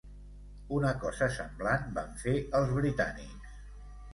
Una cosa semblant van fer els britànics